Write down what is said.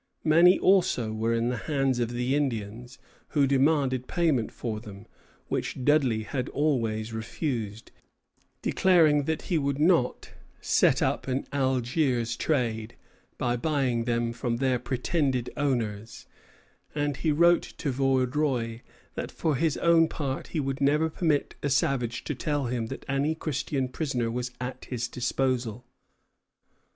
Many also were in the hands of the Indians, who demanded payment for them, which Dudley had always refused, declaring that he would not "set up an Algiers trade" by buying them from their pretended owners; and he wrote to Vaudreuil that for his own part he "would never permit a savage to tell him that any Christian prisoner was at his disposal."